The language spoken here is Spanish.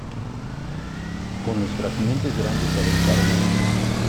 Con los fragmentos grandes fabricaron hachas.